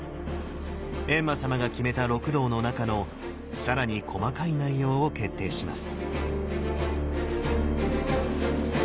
閻魔様が決めた六道の中の更に細かい内容を決定します。